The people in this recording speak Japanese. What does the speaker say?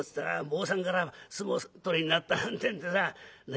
坊さんから相撲取りになったなんてんでさ。